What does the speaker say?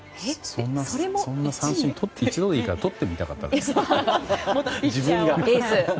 そんな三振一度でいいからとってみたかった。